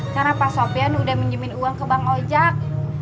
karena pak sofyan udah minjemin uang ke bank ojak